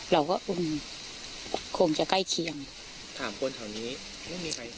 เราก็คงคงจะใกล้เคียงถามคนแถวนี้ไม่มีใคร